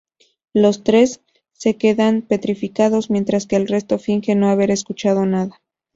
Los tres se quedan petrificados, mientras que el resto finge no haber escuchado nada.